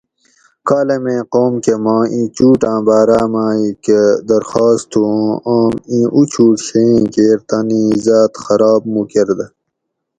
کالمیں قوم کۤہ ماں اِیں چوٹاۤں باۤراۤ ماۤئ کۤہ درخواست تھُو اوں آم اِیں اُچھوٹ شئیں کیر تانی عِزاۤت خراب مُو کۤردہ